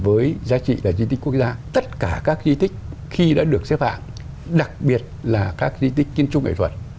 hồ sơ với giá trị là di tích quốc gia tất cả các di tích khi đã được xếp hạng đặc biệt là các di tích kiên trung nghệ thuật